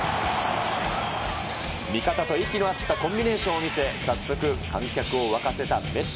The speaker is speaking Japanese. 味方と息の合ったコンビネーションを見せ、早速観客を沸かせたメッシ。